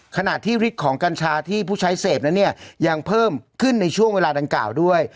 ขณะที่ฤทธิ์ของกัญชาที่ผู้ใช้เสพนั้นเนี่ยยังเพิ่มขึ้นในช่วงเวลาดังกล่าวด้วย